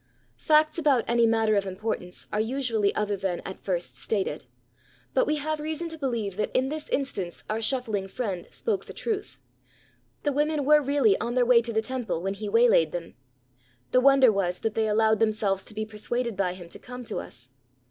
Facts about any matter of importance are usually other than at first stated; but we have reason to believe that in this instance our shuffling friend spoke the truth. The women were really on their way to the Temple when he waylaid them. The wonder was that they allowed themselves to be persuaded by him to come to us.